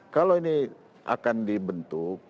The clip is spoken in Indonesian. kalau ini akan dibentuk